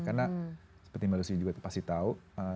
karena seperti mbak lucy juga pasti tahu